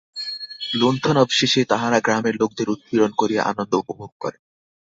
লুণ্ঠনাবশেষে তাহারা গ্রামের লোকদের উৎপীড়ন করিয়া আনন্দ উপভোগ করে।